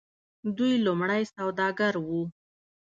دوی لومړی سوداګر وو.